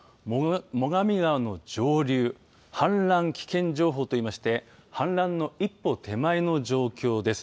最上川の上流氾濫危険情報といいまして氾濫の一歩手前の状況です。